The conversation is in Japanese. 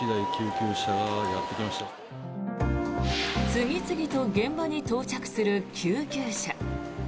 次々と現場に到着する救急車。